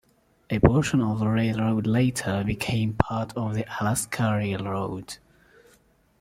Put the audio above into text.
A portion of the railroad later became part of the Alaska Railroad.